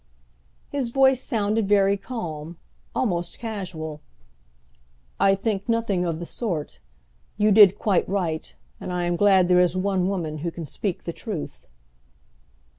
His voice sounded very calm, almost casual. "I think nothing of the sort. You did quite right, and I am glad there is one woman who can speak the truth."